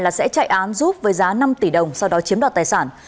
là sẽ chạy án giúp với giá năm tỷ đồng sau đó chiếm đoạt tài sản